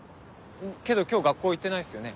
けど今日学校行ってないっすよね？